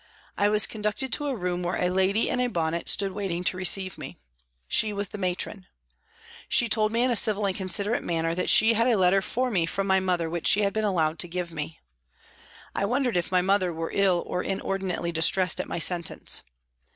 I was con ducted to a room where a lady in a bonnet stood waiting to receive me. She was the Matron. She told me in a civil and considerate manner that she had a letter for me from my mother which she had HOLLOWAY PRISON 71 been allowed to give to ine. I wondered if my mother were ill or inordinately distressed at my sentence.